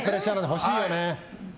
欲しいよね。